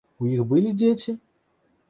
У іх былі дзеці?